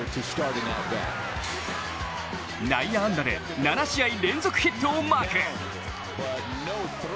内野安打で７試合連続ヒットをマーク。